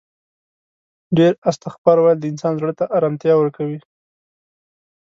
ډیر استغفار ویل د انسان زړه ته آرامتیا ورکوي